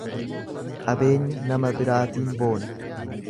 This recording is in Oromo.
Qabeenya nama biraatiin boona.